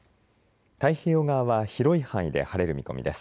太平洋側は広い範囲で晴れる見込みです。